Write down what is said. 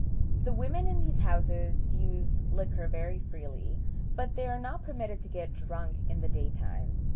The women in these houses use liquor very freely, but they are not permitted to get drunk in the daytime.